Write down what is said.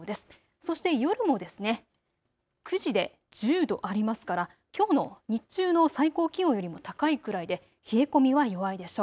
そして夜の９時で１０度ありますからきょうの日中の最高気温よりも高いくらいで冷え込みは弱いでしょう。